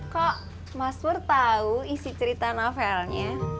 kok mas pur tahu isi cerita novelnya